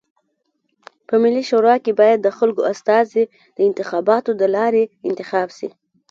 په ملي شورا کي بايد د خلکو استازي د انتخاباتو د لاري انتخاب سی.